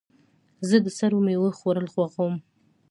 زه د سړو میوو خوړل خوښوم.